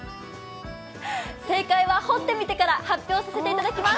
正解は掘ってみてから発表させていただきます。